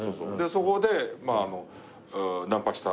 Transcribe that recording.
そこでまあナンパした。